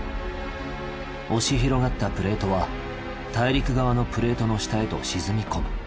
押し広がったプレートは大陸側のプレートの下へと沈み込む。